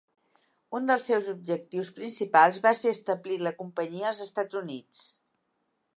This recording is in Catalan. Un dels objectius principals va ser establir la companyia als Estats Units.